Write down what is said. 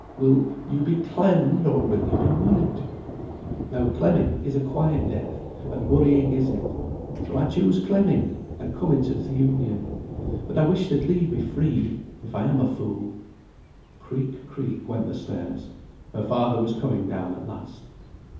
Will you be clemmed, or will you be worried?' Now clemming is a quiet death, and worrying isn't, so I choose clemming, and come into th' Union. But I wish they'd leave me free, if I am a fool." Creak, creak, went the stairs. Her father was coming down at last.